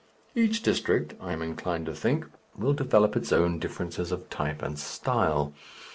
Each district, I am inclined to think, will develop its own differences of type and style.